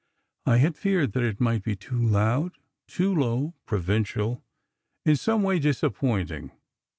I had feared that it might be too loud, too low, provincial—in some way disappointing.